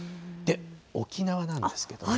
沖縄なんですけども。